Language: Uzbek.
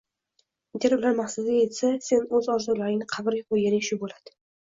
Agar ular maqsadiga yetsa, sen o‘z orzularingni qabrga qo‘yganing shu bo‘ladi.